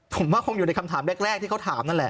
ผมว่าคงอยู่ในคำถามแรกที่เขาถามนั่นแหละ